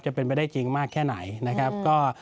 จะเป็นไปได้จริงมากแค่ไหนนะครับ